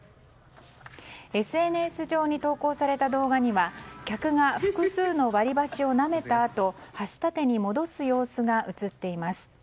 ＳＮＳ上に投稿された動画には客が複数の割り箸をなめたあと箸立てに戻す様子が映っています。